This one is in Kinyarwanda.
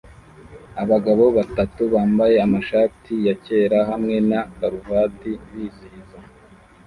Abagabo batatu bambaye amashati yakera hamwe na karuvati bizihiza